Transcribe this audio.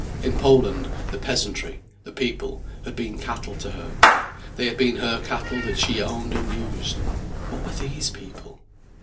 In Poland, the peasantry, the people, had been cattle to her, they had been her cattle that she owned and used. What were these people?